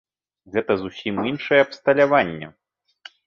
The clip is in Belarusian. Гэта зусім іншае абсталяванне.